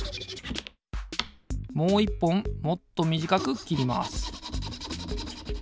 もういっぽんもっとみじかくきります。